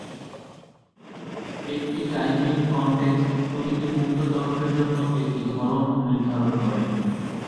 একটি "typing context" প্রতিটি মুক্ত চলকের জন্য একটি ধরন নির্ধারণ করে।